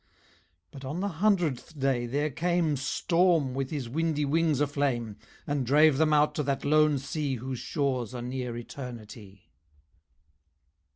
But on the hundredth day there came Storm with his windy wings aflame, And drave them out to that Lone Sea Whose shores are near Eternity.